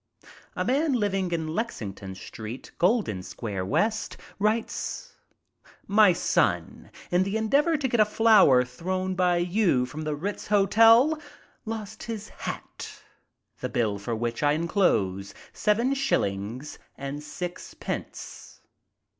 A man living in Lexington Street, Goldensquare, W., writes: "My son, in the endeavor to get a flower thrown by you from the Ritz Hotel, lost his hat, the bill for which I inclose, 7 shillings and 6 pence."